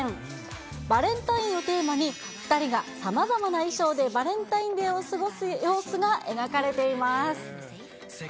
バレンタインをテーマに、２人がさまざまな衣装でバレンタインデーを過ごす様子が描かれています。